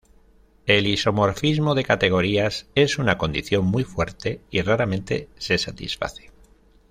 El isomorfismo de categorías es una condición muy fuerte y raramente se satisface.